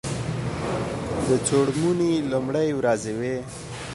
د څوړموني لومړی ورځې وې.